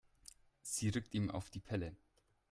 Sie rückt ihm auf die Pelle.